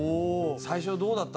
最初どうだった？